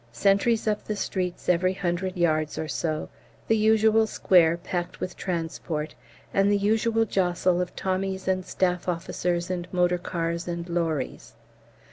Sentries up the streets every hundred yards or so; the usual square packed with transport, and the usual jostle of Tommies and staff officers and motor cars and lorries.